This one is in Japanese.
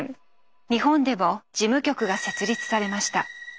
日本でも事務局が設立されました。